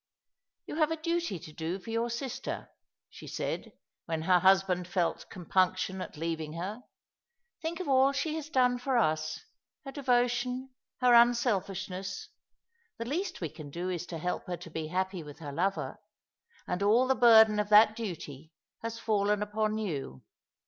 " You have a duty to do for your sister," she said, when her husband felt compunction at leaving her. " Think of all she has done for us, her devotion, her unselfishness. The least we can do is to help her to be happy with her lover ; and all the burden of that duty has fallen upon you.